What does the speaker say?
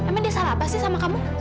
emang dia salah apa sih sama kamu